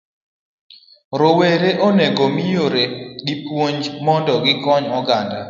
D. Rowere onego mi yore gi puonj mondo gikony oganda.